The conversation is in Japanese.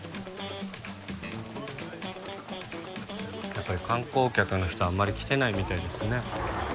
やっぱり観光客の人はあんまり来てないみたいですね。